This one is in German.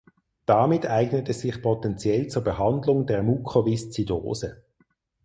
Damit eignet es sich potentiell zur Behandlung der Mukoviszidose.